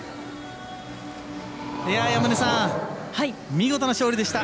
山根さん、見事な勝利でした。